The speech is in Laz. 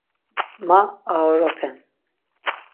Ma aoropen.